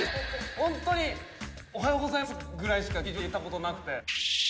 ホントにおはようございますぐらいしか劇場で言ったことなくて。